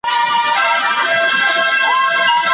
ایا محصل ته اجازه ورکول کېږي چي خپل لارښود بدل کړي؟